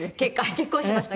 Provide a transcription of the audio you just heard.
結婚しました。